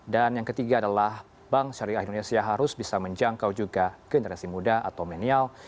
dan yang ketiga adalah bank syariah indonesia harus bisa menjangkau juga generasi muda atau menial